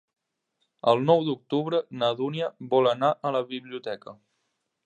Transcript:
El nou d'octubre na Dúnia vol anar a la biblioteca.